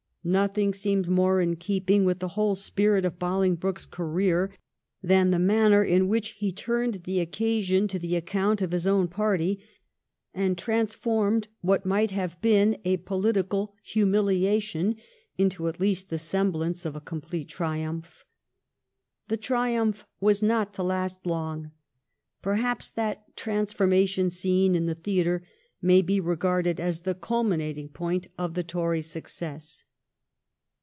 Nothing seems more in keeping with the whole spirit of Bolingbroke's career than the manner in which he turned the occasion to the account of his own party, and transformed what might have been a political humiliation into at least the semblance of a complete triumph. The triumph was not to last long. Perhaps that ' Transformation Scene ' in the theatre may be regarded as the culminating point of the Tory success.